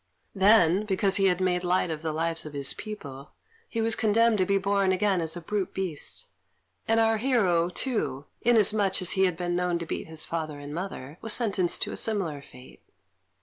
Then, because he had made light of the lives of his people, he was condemned to be born again as a brute beast; and our hero, too, inasmuch as he had been known to beat his father and mother, was sentenced to a similar fate.